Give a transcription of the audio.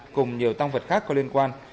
cùng nhiều tăng vật khác có liên quan